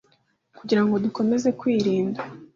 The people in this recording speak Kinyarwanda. kugira ngo dukomeze kwirinda